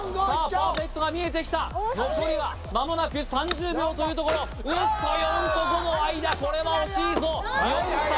パーフェクトが見えてきた残りはまもなく３０秒というところうっと４と５の間これは惜しいぞ４きた